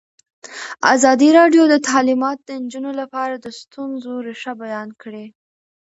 ازادي راډیو د تعلیمات د نجونو لپاره د ستونزو رېښه بیان کړې.